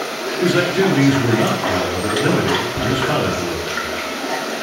His activities were not, however, limited to his college work.